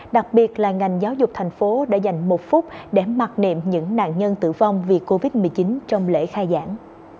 đặc biệt là ngành giáo dục thành phố đã dành một phút để mặc niệm những nạn nhân tử vong vì covid một mươi chín trong lễ khai giảng